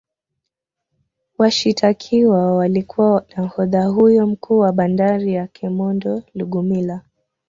Washitakiwa walikuwa nahodha huyo mkuu wa bandari ya kemondo Lugumila